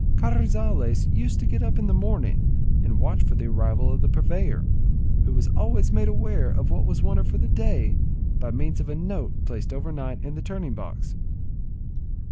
Carrizales used to get up in the morning and watch for the arrival of the purveyor, who was always made aware of what was wanted for the day by means of a note placed over night in the turning box.